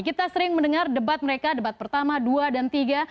kita sering mendengar debat mereka debat pertama dua dan tiga